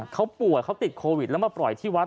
เขาป่วยเขาติดโควิดแล้วมาปล่อยที่วัด